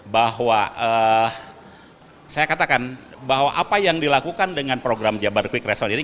bahwa saya katakan bahwa apa yang dilakukan dengan program jabar quick response ini